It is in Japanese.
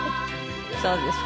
そうですか。